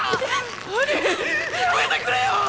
アニ⁉やめてくれよ